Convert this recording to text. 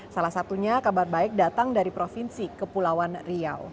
salah satunya kabar baik datang dari provinsi kepulauan riau